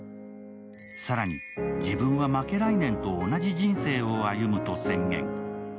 更に自分はマケライネンと同じ人生を歩むと宣言。